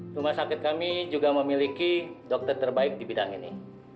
rumah sakit kami juga memiliki dokter terbaik di bidang ini